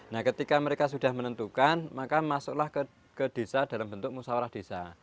nah ketika mereka sudah menentukan maka masuklah ke desa dalam bentuk musawarah desa